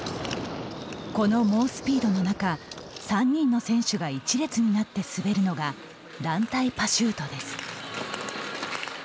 この猛スピードの中３人の選手が一列になって滑るのが団体パシュートです。